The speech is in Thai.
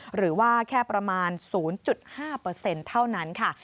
หรือว่าแค่ประมาณ๐๕เท่านั้นค่ะ